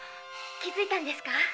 気づいたんですか？